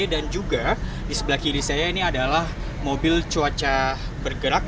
dan juga di sebelah kiri saya ini adalah mobil cuaca bergerak